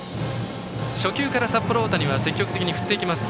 初球から札幌大谷は積極的に振っていきます。